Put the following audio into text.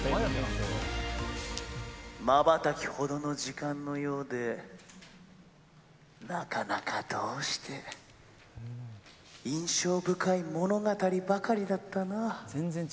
まばたきほどの時間のようでなかなかどうして印象深い物語ばかりだったな。